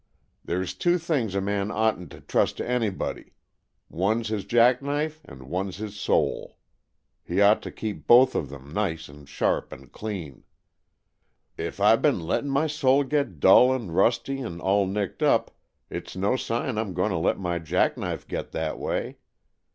There's two things a man oughtn't to trust to anybody; one's his jack knife and one's his soul. He ought to keep both of them nice and sharp and clean. If I been letting my soul get dull and rusty and all nicked up, it's no sign I'm going to let my jack knife get that way.